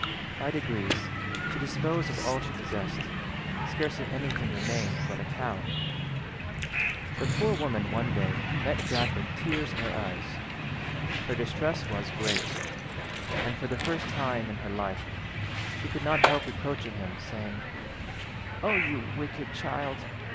By degrees she disposed of all she possessed—scarcely anything remained but a cow. The poor woman one day met Jack with tears in her eyes. Her distress was great, and, for the first time in her life, she could not help reproaching him, saying— "O you wicked child!